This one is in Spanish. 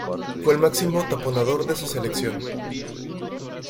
Fue el máximo taponador de su selección.